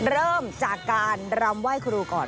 เริ่มจากการรำไหว้ครูก่อน